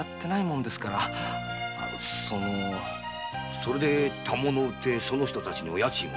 それで反物を売ってその人達の家賃を。